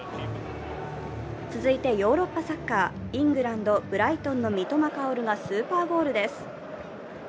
続いて、ヨーロッパサッカーイングランド・ブライトンの三笘薫がスーパーゴールです。